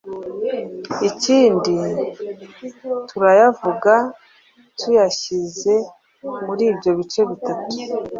Ikindi, turayavuga tuyashyize muri ibyo bice bitatu,